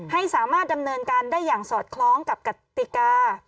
ให้สามารถดำเนินการได้อย่างสอดคล้องกับกติกา